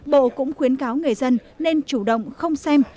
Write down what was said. bộ cũng khuyến cáo người dân nên chủ động không xem